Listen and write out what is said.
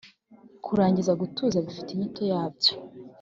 kurangiza gutuza bifite inyito yabyo